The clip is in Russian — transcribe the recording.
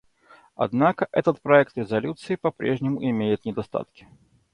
Однако этот проект резолюции по-прежнему имеет недостатки.